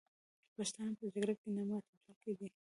پښتانه په جګړه کې نه ماتېدونکي دي.